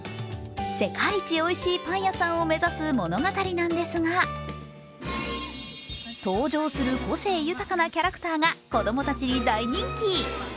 世界一おいしいパン屋さんを目指す物語ですが登場する個性豊かなキャラクターが子どもたちに大人気。